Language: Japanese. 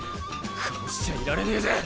こうしちゃいられねぇぜ。